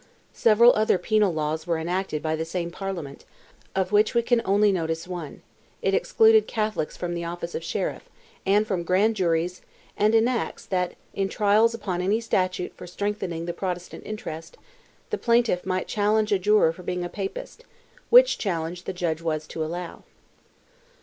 Several other penal laws were enacted by the same Parliament, of which we can only notice one; it excluded Catholics from the office of sheriff, and from grand juries, and enacts, that, in trials upon any statute for strengthening the Protestant interest, the plaintiff might challenge a juror for being a Papist, which challenge the judge was to allow.